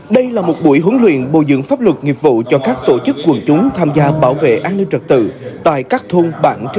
đây là một buổi huấn luyện bồi dưỡng pháp luật nghiệp vụ cho các tổ chức quần chúng tham gia bảo vệ an ninh trật tự